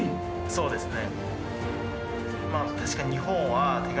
そうですね。